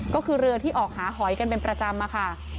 ก็คือเรือที่ออกหาหอยกันเป็นประจำค่ะ